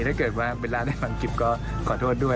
ถ้าเกิดว่าเบลล่าได้ฟังกิ๊บก็ขอโทษด้วย